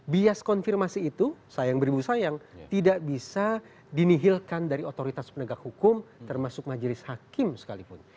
bias konfirmasi itu sayang beribu sayang tidak bisa dinihilkan dari otoritas penegak hukum termasuk majelis hakim sekalipun